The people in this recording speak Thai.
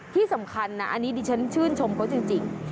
ที่สำคัญนะอันนี้ดิฉันชื่นชมเขาจริง